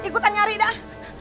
ikutan nyari dah